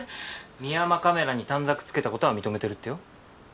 ミヤマカメラに短冊つけた事は認めてるってよ。